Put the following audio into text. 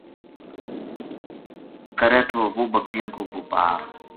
کرے تھو وہ بکریاں کو بوپار